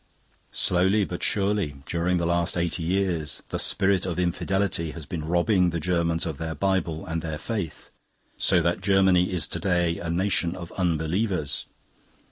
Slowly but surely, during the last eighty years, the spirit of Infidelity has been robbing the Germans of their Bible and their faith, so that Germany is to day a nation of unbelievers.